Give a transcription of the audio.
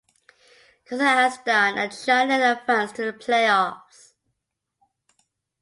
Kazakhstan and China advanced to the playoffs.